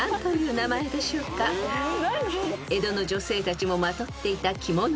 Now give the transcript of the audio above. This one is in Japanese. ［江戸の女性たちもまとっていた着物の柄］